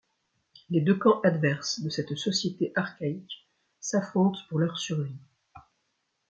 Les deux camps adverses de cette société archaïque s’affrontent pour leur survie.